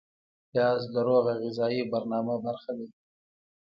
پیاز د روغه غذایي برنامه برخه ده